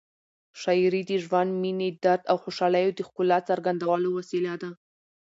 شاعري د ژوند، مینې، درد او خوشحالیو د ښکلا څرګندولو وسیله ده.